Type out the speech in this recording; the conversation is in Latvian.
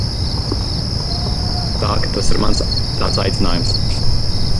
Tā ka tas ir mans tāds aicinājums.